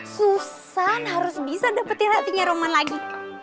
susan harus bisa dapetin hatinya roman lagi